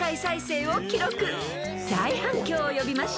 ［大反響を呼びました］